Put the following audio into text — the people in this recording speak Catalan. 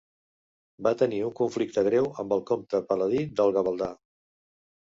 Va tenir un conflicte greu amb el comte Pal·ladi del Gavaldà.